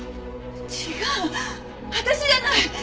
違う私じゃない。